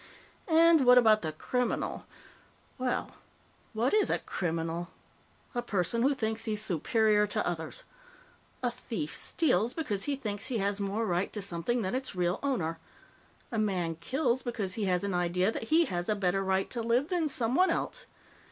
And what about the criminal? Well, what is a criminal? A person who thinks he's superior to others. A thief steals because he thinks he has more right to something than its real owner. A man kills because he has an idea that he has a better right to live than someone else.